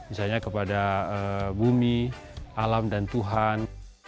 misalnya kepada bumi alam dan tuhan